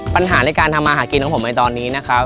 ปัญหาในการทำมาหากินของผมในตอนนี้นะครับ